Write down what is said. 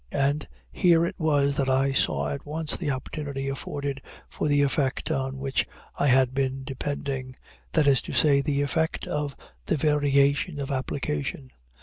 And here it was that I saw at once the opportunity afforded for the effect on which I had been depending that is to say, the effect of the variation of application.